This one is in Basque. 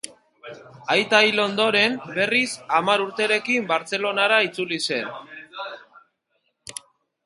Aita hil ondoren, berriz, hamar urterekin, Bartzelonara itzuli zen.